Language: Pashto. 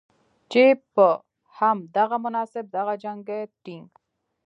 چې په هم دغه مناسبت دغه جنګي ټېنک